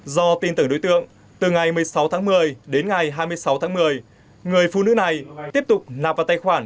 do tin tưởng đối tượng từ ngày một mươi sáu tháng một mươi đến ngày hai mươi sáu tháng một mươi người phụ nữ này tiếp tục nạp vào tài khoản